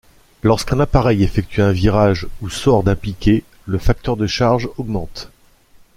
Lorsqu’un appareil effectue un virage ou sort d’un piqué, le facteur de charge augmente.